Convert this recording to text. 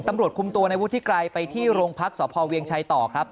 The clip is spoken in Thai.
ตำรวจคุมตัวในวุฒิไกรไปที่โรงพักษพเวียงชัยต่อครับ